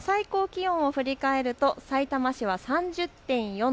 日中の最高気温を振り返るとさいたま市は３０．４度。